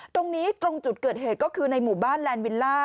ตรงนี้ตรงจุดเกิดเหตุก็คือในหมู่บ้านแลนดวิลล่า